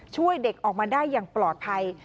ช่วยเด็กออกมาได้อย่างปลอดภัย